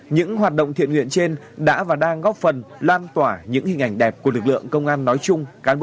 những hoạt động thiện nguyện trên đã và đang góp phần lan tỏa những hình ảnh đẹp của lực lượng công an nói chung